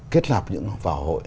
kết nạp những vào hội